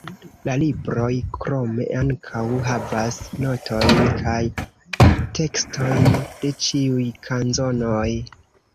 La libroj krome ankaŭ havas notojn kaj tekstojn de ĉiuj kanzonoj.